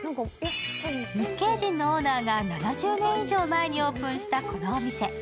日系人のオーナーが７０年以上前にオープンした、このお店。